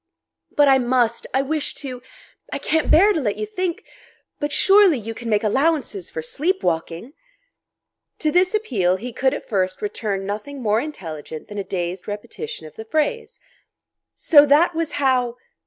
"But I must...I wish to...I can't bear to let you think...But surely you can make allowances for sleepwalking!" To this appeal he could at first return nothing more intelligent than a dazed repetition of the phrase. So that was how...